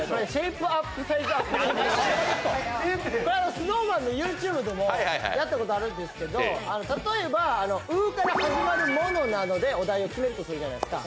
ＳｎｏｗＭａｎのＹｏｕＴｕｂｅでもやったことがあるんですが、例えば「う」から始まるものなどでお題を決めるとするじゃないですか。